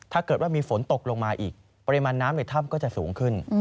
ถ้าเกิดว่ามีฝนตกลงมาอีกปริมาณน้ำในถ้ำก็จะสูงขึ้น